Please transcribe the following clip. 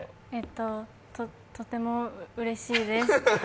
と、とてもうれしいです。